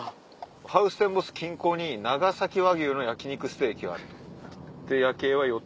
ハウステンボス近郊に長崎和牛の焼き肉ステーキありと。